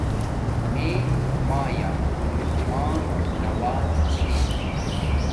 میے مایآ مہمان نواز چھی